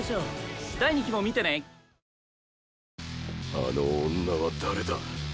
あの女は誰だ？